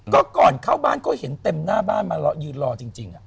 ก็ก่อนเข้าบ้านก็เห็นเต็มหน้าบ้านมายืนรอจริง